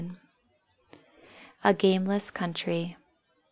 ] A GAMELESS COUNTRY.